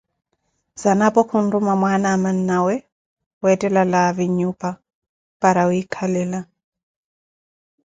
Zanapo khunruma mwana wa mannawe weettela laavi nyupa para ota wiikhalela